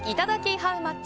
ハウマッチ。